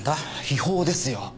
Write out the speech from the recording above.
違法ですよ。